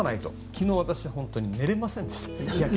昨日、私本当に寝れませんでした。